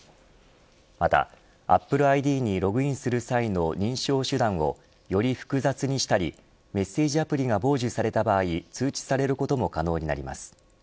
またアップルＩＤにログインする際の認証手段をより複雑にしたりメッセージアプリが傍受された場合通知されることも可能になります。